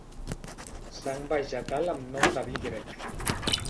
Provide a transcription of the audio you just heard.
Sang vegetal amb nom de vi grec.